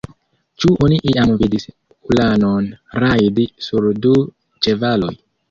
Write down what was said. Ĉu oni iam vidis ulanon rajdi sur du ĉevaloj!?